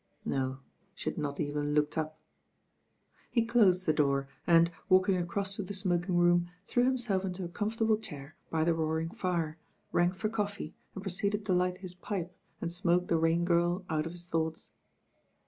No, she had not even looked up. He closed the door and, walking across to the smoking room, threw himself into a comfortable chair by the roaring fire, rang for coffee and pro ceeded to light his pipe and smoke the Rain Girl out of his thoughts.